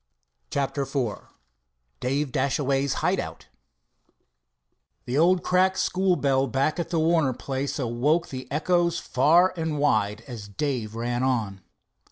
CHAPTER IV DAVE DASHAWAY'S HIDEOUT The old cracked school bell back at the Warner place awoke the echoes far and wide as Dave ran on.